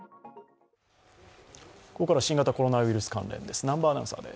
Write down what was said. ここからは新型コロナウイルス関連です。